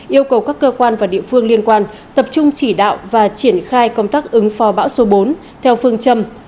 yêu cầu các cơ quan và địa phương liên quan tập trung chỉ đạo và triển khai công tác ứng phó bão số bốn theo phương châm